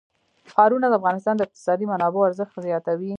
ښارونه د افغانستان د اقتصادي منابعو ارزښت زیاتوي.